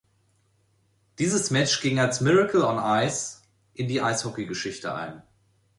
Dieses Match ging als "Miracle on Ice" in die Eishockeygeschichte ein.